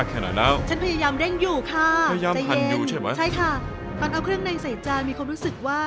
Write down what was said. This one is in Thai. ตอนเอาเครื่องในใส่จานมีความรู้สึกว่า